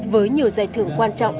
với nhiều giải thưởng quan trọng